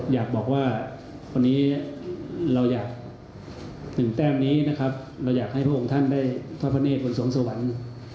อยากบอกว่า๑แต้มนี้เราอยากให้พวกคุณท่านได้ทดพเนทบนสวงสวรรค์